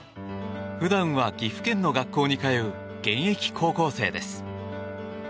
普段は岐阜県の学校に通う現役高校生です。